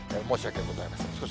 申し訳ございません。